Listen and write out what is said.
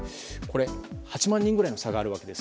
８万人ぐらいの差があるわけです。